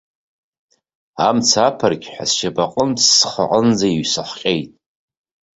Амца аԥырқьҳәа сшьапаҟынтә схаҟынӡа иҩасхҟьеит.